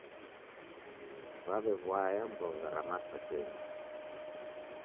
W'aw'ew'aya mbogha ra masakenyi.